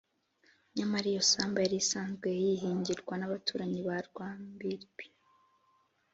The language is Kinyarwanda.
nyamara iyo sambu yari isanzwe yihingirwa n’abaturanyi ba rwambibi